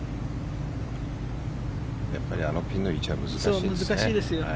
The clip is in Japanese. やっぱりあのピンの位置は難しいですね。